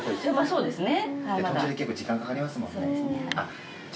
そうですね。